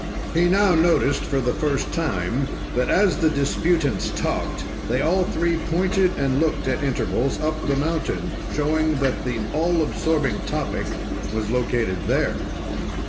He now noticed, for the first time, that as the disputants talked, they all three pointed and looked, at intervals, up the mountain, showing that the all absorbing topic was located there.